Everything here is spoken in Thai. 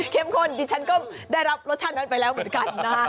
ข้นดิฉันก็ได้รับรสชาตินั้นไปแล้วเหมือนกันนะ